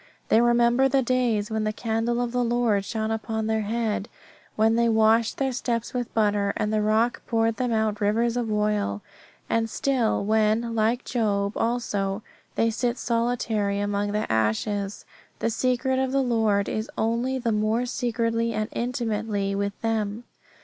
They remember the days when the candle of the Lord shone upon their head when they washed their steps with butter, and the rock poured them out rivers of oil. And still, when, like Job also, they sit solitary among the ashes, the secret of the Lord is only the more secretly and intimately with them.